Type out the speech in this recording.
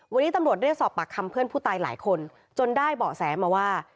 วันนี้ตำรวจเรียกสอบปากคำเพื่อนผู้ตายหลายคนจนได้เบาะแสมาว่า